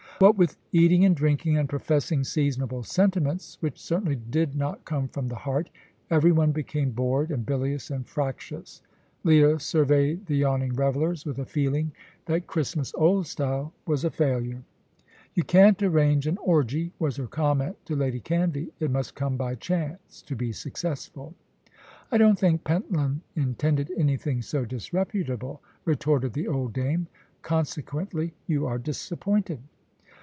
What with eating and drinking, and professing seasonable sentiments which certainly did not come from the heart, everyone became bored and bilious and fractious. Leah surveyed the yawning revellers with a feeling that Christmas, old style, was a failure. "You can't arrange an orgy," was her comment to Lady Canvey, "it must come by chance, to be successful." "I don't think Pentland intended anything so disreputable," retorted the old dame, "consequently you are disappointed."